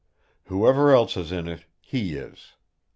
Whoever else is in it, he is!